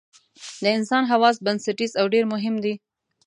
د انسان حواس بنسټیز او ډېر مهم دي.